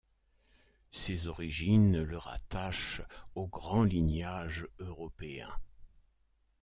Ses origines le rattachent aux grands lignages européens.